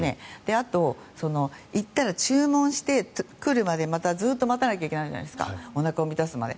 あと、行ったら注文して来るまでまたずっと待たなきゃいけないじゃないですかおなかを満たすまで。